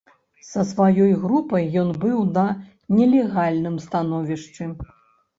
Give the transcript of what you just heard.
Са сваёй групай ён быў на нелегальным становішчы.